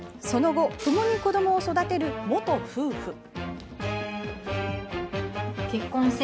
その後、ともに子どもを育てる元夫婦。